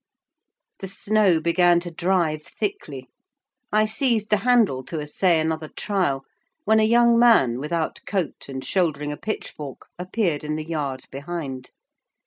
The snow began to drive thickly. I seized the handle to essay another trial; when a young man without coat, and shouldering a pitchfork, appeared in the yard behind.